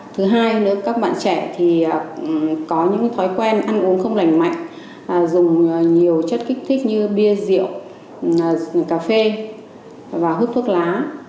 thứ hai các bạn trẻ có những thói quen ăn uống không lành mạnh dùng nhiều chất kích thích như bia rượu cà phê và hước thuốc lá